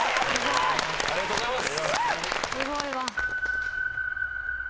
ありがとうございます！